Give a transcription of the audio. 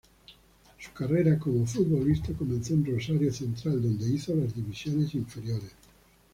Su carrera como futbolista comenzó en Rosario Central, donde hizo las divisiones inferiores.